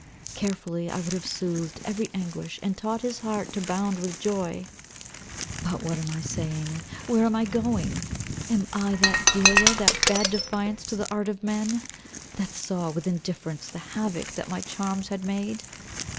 Carefully I would have soothed every anguish, and taught his heart to bound with joy. But what am I saying? Where am I going? Am I that Delia that bad defiance to the art of men, that saw with indifference the havock that my charms had made!